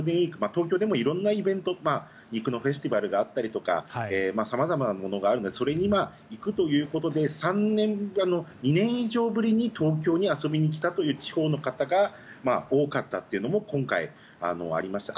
東京でも色々なイベント肉のフェスティバルがあったりとか様々なものがあるのでそれに行くということで２年以上ぶりに東京に遊びに来たという地方の方が多かったというのも今回、ありました。